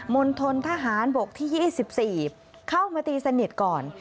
ณฑนทหารบกที่๒๔เข้ามาตีสนิทก่อน